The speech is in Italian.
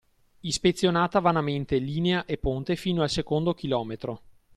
Ispezionata vanamente linea e ponte fino al secondo chilometro.